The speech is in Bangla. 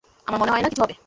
আমার মনে হয় না কিছু হবে।